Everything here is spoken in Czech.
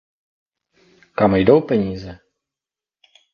Kam jdou peníze?